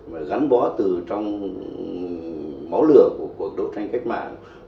và gắn bó từ trong máu lửa của cuộc đấu tranh cách mạng